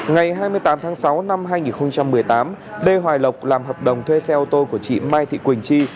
ngày hai mươi tám tháng sáu năm hai nghìn một mươi tám lê hoài lộc làm hợp đồng thuê xe ô tô của chị mai thị quỳnh chi